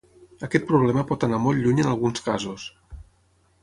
Aquest problema pot anar molt lluny en alguns casos.